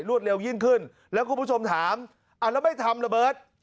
เร็วยิ่งขึ้นแล้วคุณผู้ชมถามแล้วไม่ทำระเบิด